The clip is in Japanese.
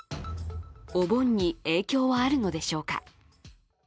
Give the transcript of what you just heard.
お盆に影響はあるのでしょうか？